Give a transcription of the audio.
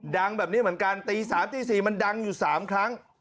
ดังแบบนี้เหมือนกันตี๓ตี๔มันดังอยู่๓ครั้ง